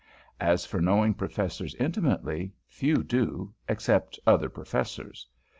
As for knowing Professors intimately, few do, except other Professors.